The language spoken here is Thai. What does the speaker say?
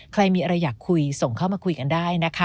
ใครมีอะไรอยากคุยส่งเข้ามาคุยกันได้นะคะ